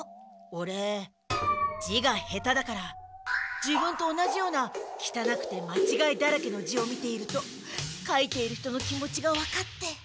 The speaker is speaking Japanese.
オレ字が下手だから自分と同じようなきたなくてまちがいだらけの字を見ていると書いている人の気持ちがわかって。